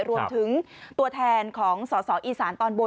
รวมถึงตัวแทนของสอสออีสานตอนบน